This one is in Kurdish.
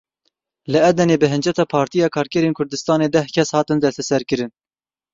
Li Edenê bi hinceta Partiya Karkerên Kurdistanê deh kes hatin desteserkirin.